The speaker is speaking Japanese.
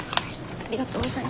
ありがとうございます。